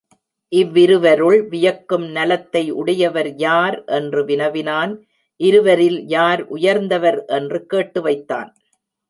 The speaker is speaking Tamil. இவ்விருவருள் வியக்கும் நலத்தை உடையவர் யார்? என்று வினவினான் இருவரில் யார் உயர்ந்தவர் என்று கேட்டு வைத்தான்.